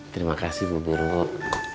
terima kasih bu bu ruk